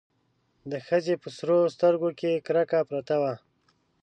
د ښځې په سرو سترګو کې کرکه پرته وه.